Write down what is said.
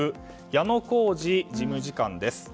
矢野康治事務次官です。